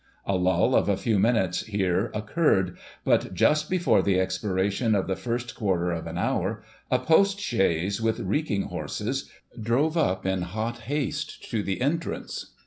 A lull of a few minutes here occurred ; but, just before the expiration of the first quarter of an hour, a post chaise, with reeking horses, drove up, in hot haste, to the entrance.